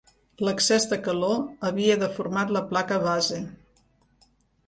L'excés de calor havia deformat la placa base.